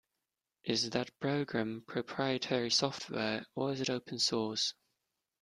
Is that program proprietary software, or is it open source?